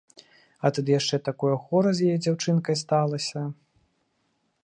А тады яшчэ такое гора з яе дзяўчынкай сталася.